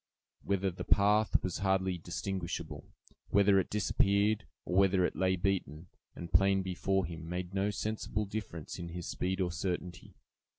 Whether the path was hardly distinguishable, whether it disappeared, or whether it lay beaten and plain before him, made no sensible difference in his speed or certainty.